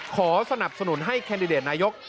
ขอสนับสนุนให้แคนดิเดตนายก